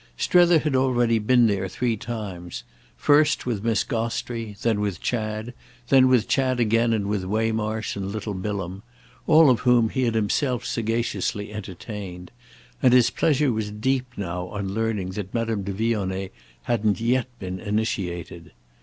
Strether had already been there three times—first with Miss Gostrey, then with Chad, then with Chad again and with Waymarsh and little Bilham, all of whom he had himself sagaciously entertained; and his pleasure was deep now on learning that Madame de Vionnet hadn't yet been initiated.